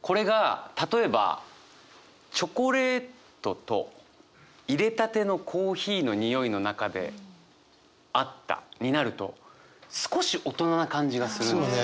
これが例えばチョコレートといれたてのコーヒーの匂いの中で会ったになると少し大人な感じがするんですよね。